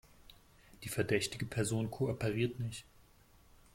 Die verdächtige Person kooperiert nicht.